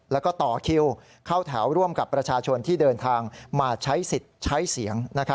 แล้วก็ต่อคิวเข้าแถวร่วมกับประชาชนที่เดินทางมาใช้สิทธิ์ใช้เสียง